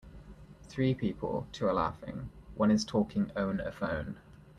Three people, two are laughing, one is talking own a phone.